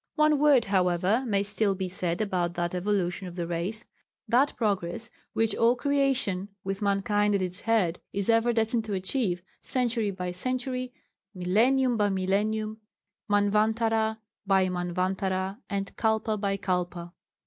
One word, however, may still be said about that evolution of the race that progress which all creation, with mankind at its head, is ever destined to achieve century by century, millennium by millennium, manvantara by manvantara, and kalpa by kalpa.